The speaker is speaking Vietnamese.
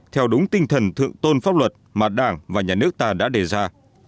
theo đúng tinh thần thượng tôn pháp luật mà đảng và nhà nước ta đã đề ra